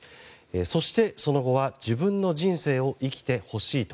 そして、その後は自分の人生を生きてほしいと。